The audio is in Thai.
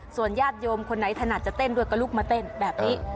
ส่วนญาติโยมคนไหนถนัดจะเต้นด้วยก็ลุกมาเต้นแบบนี้